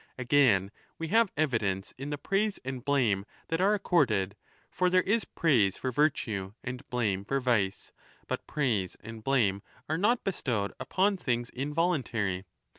Again, we have evidence in the praise and blame that 20 are accorded. For there is praise for virtue and blame for vice. But praise and blame are not bestowed upon things involuntary.